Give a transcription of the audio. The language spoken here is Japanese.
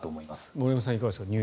森山さん、いかがですか。